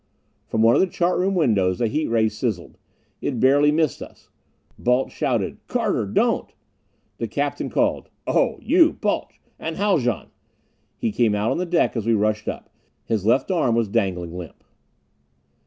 From one of the chart room windows a heat ray sizzled. It barely missed us. Balch shouted, "Carter don't!" The captain called, "Oh you, Balch and Haljan " He came out on the deck as we rushed up. His left arm was dangling limp.